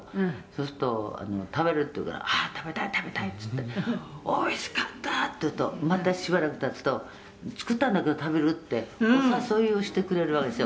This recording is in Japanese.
「そうすると“食べる？”って言うから“あっ食べたい食べたい”っつって“おいしかった！”って言うとまたしばらく経つと“作ったんだけど食べる？”ってお誘いをしてくれるわけですよ」